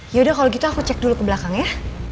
yaudah kalau gitu aku cek dulu ke belakang ya